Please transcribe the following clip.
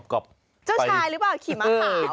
เจ้าชายหรือเปล่าขี่ม้าขาว